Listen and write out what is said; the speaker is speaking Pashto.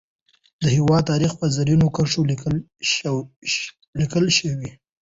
د هیواد تاریخ په زرینو کرښو لیکل شوی.